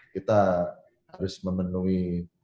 kita harus memenuhi